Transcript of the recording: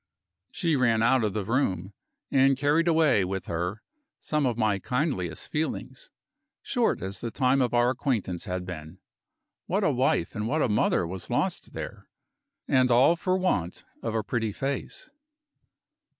She ran out of the room; and carried away with her some of my kindliest feelings, short as the time of our acquaintance had been. What a wife and what a mother was lost there and all for want of a pretty face!